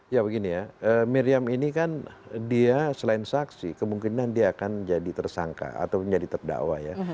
ya begini ya miriam ini kan dia selain saksi kemungkinan dia akan jadi tersangka atau menjadi terdakwa ya